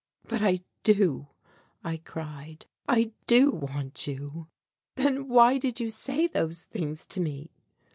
"But I do," I cried. "I do want you." "Then why did you say those things to me?"